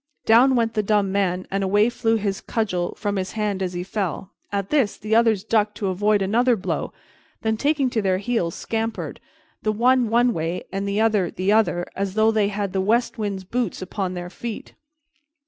Down went the Dumb man, and away flew his cudgel from his hand as he fell. At this the others ducked to avoid another blow, then, taking to their heels, scampered, the one one way and the other the other, as though they had the west wind's boots upon their feet.